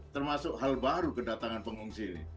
termasuk hal baru kedatangan pengungsi ini